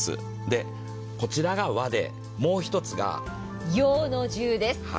こちらが和で、もう一つが洋の重です。